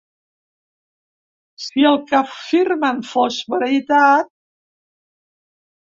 Si el que afirmen fos veritat.